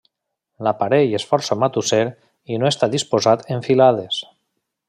L'aparell és força matusser i no està disposat en filades.